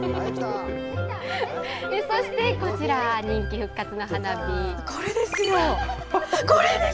そしてこちら、人気復活の花火。